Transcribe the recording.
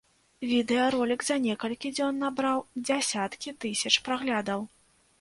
Відэаролік за некалькі дзён набраў дзясяткі тысяч праглядаў.